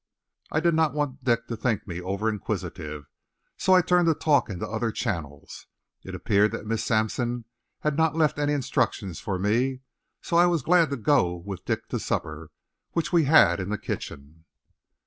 I did not want Dick to think me overinquisitive, so I turned the talk into other channels. It appeared that Miss Sampson had not left any instructions for me, so I was glad to go with Dick to supper, which we had in the kitchen.